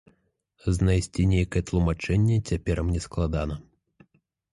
Знайсці нейкае тлумачэнне цяпер мне складана.